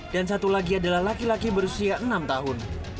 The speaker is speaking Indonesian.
dan satu lagi adalah laki laki berusia enam tahun